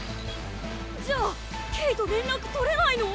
じゃあケイと連絡取れないの？